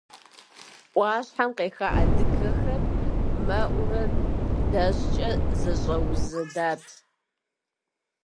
Ӏуащхьэм къеха адыгэхэр мэӏурэ дэщӏкӏэ зэщӏэузэдат.